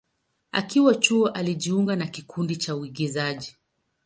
Akiwa chuo, alijiunga na kikundi cha uigizaji.